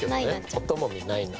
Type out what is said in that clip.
「おともみないな」。